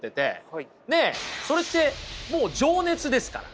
ねえそれってもう情熱ですから。